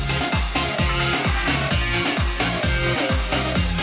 เออ